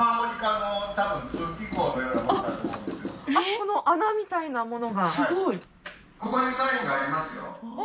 この穴みたいなものがはいここにサインがありますよ